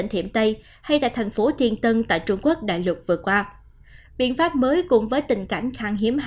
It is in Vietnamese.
hãy đăng ký kênh để ủng hộ kênh của mình nhé